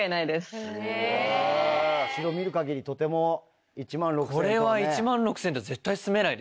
後ろ見る限りとても１万６０００円と。